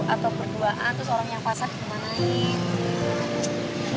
atau berduaan terus orang yang pasak gimanain